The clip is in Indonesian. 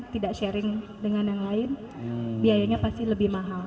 tidak sharing dengan yang lain biayanya pasti lebih mahal